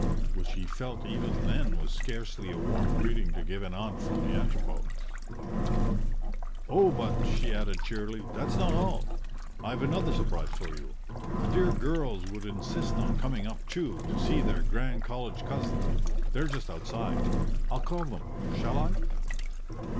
which he felt even then was scarcely a warm greeting to give an aunt from the Antipodes. "Oh, but," she added, cheerily, "that's not all; I've another surprise for you: the dear girls would insist on coming up, too, to see their grand college cousin; they're just outside. I'll call them in shall I?"